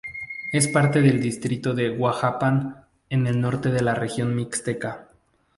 Es parte del Distrito de Huajuapan en el norte de la Region Mixteca.